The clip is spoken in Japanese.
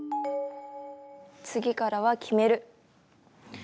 次からは決める。